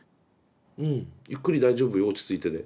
うんゆっくり大丈夫よ落ち着いてで。